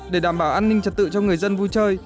để đảm bảo an ninh trật tự cho người dân vui chơi